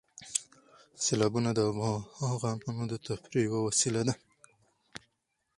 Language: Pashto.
سیلابونه د افغانانو د تفریح یوه وسیله ده.